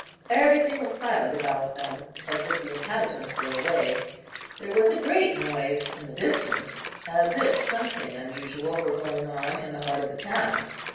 Everything was silent about them, as if the inhabitants were away; there was a great noise in the distance, as if something unusual were going on in the heart of the town.